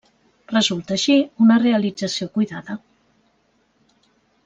Resulta així una realització cuidada.